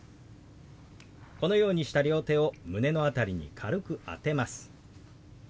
このようにした両手を胸の辺りに軽く当てます。